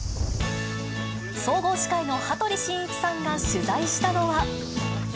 総合司会の羽鳥慎一さんが取材したのは。